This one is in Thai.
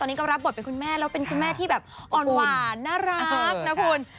ตอนนี้ก็รับบทเป็นคุณแม่แล้วเป็นคุณแม่ที่แบบอ่อนหวานน่ารักนะคุณ